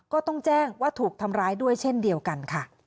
ก็ต้องแจ้งว่าถูกทำร้ายด้วยเช่นเดียวกันค่ะ